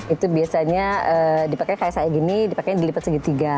itu biasanya dipakai kayak saya gini dipakainya dilipat segi tiga